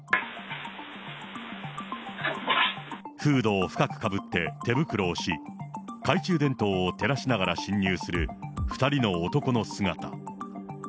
フードを深くかぶって手袋をし、懐中電灯を照らしながら侵入する２人の男の姿。